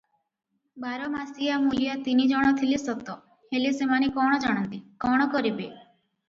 ବାର ମାସିଆ ମୂଲିଆ ତିନି ଜଣ ଥିଲେ ସତ; ହେଲେ ସେମାନେ କଣ ଜାଣନ୍ତି, କଣ କରିବେ?